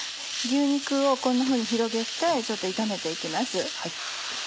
牛肉をこんなふうに広げて炒めて行きます。